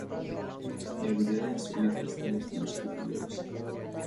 Y habilidad en historietas de estilos peculiares.